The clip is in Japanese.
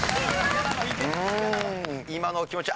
今のお気持ち